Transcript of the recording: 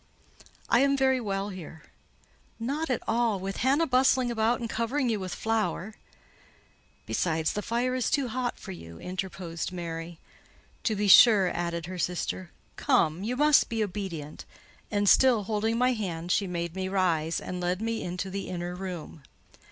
"I am very well here." "Not at all, with Hannah bustling about and covering you with flour." "Besides, the fire is too hot for you," interposed Mary. "To be sure," added her sister. "Come, you must be obedient." And still holding my hand she made me rise, and led me into the inner room.